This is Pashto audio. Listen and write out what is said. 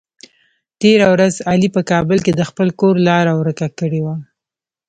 تېره ورځ علي په کابل کې د خپل کور لاره ور که کړې وه.